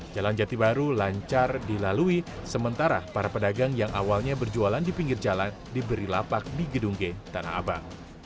jalan jati baru lancar dilalui sementara para pedagang yang awalnya berjualan di pinggir jalan diberi lapak di gedung g tanah abang